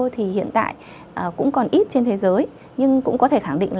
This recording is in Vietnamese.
thì hiện tại cũng còn ít trên thế giới